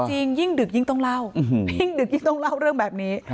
ยิ่งดึกยิ่งต้องเล่ายิ่งดึกยิ่งต้องเล่าเรื่องแบบนี้